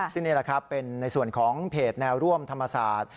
ซึ่งนี่แหละครับเป็นในส่วนของเพจแนวร่วมธรรมศาสตร์